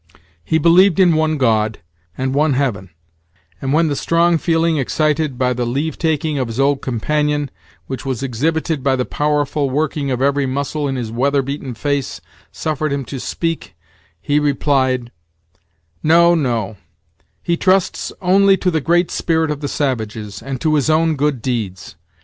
He believed in one God, and one heaven; and when the strong feeling excited by the leave taking of his old companion, which was exhibited by the powerful working of every muscle in his weather beaten face, suffered him to speak, he replied: "No no he trusts only to the Great Spirit of the savages, and to his own good deeds.